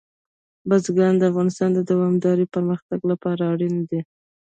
بزګان د افغانستان د دوامداره پرمختګ لپاره اړین دي.